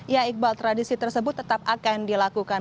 ya iqbal tradisi tersebut tetap akan dilakukan